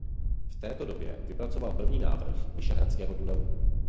V této době vypracoval první návrh vyšehradského tunelu.